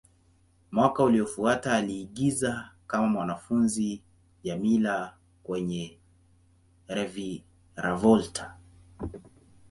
Mwaka uliofuata, aliigiza kama mwanafunzi Djamila kwenye "Reviravolta".